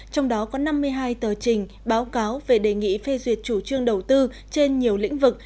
trong đó có năm mươi hai tờ trình báo cáo về đề nghị phê duyệt chủ trương đầu tư trên nhiều lĩnh vực